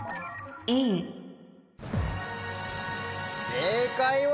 正解は？